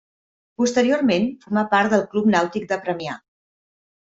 Posteriorment, formà part del Club Nàutic de Premià.